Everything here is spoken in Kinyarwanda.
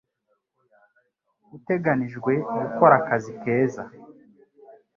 Uteganijwe gukora akazi keza.